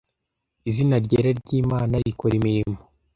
izina ryera ry'imana rikora imirimo